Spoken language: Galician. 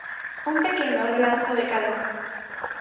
Un pequeno relanzo de calma.